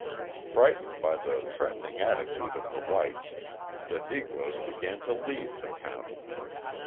Frightened by the threatening attitude of the whites, the Negroes began to leave the county.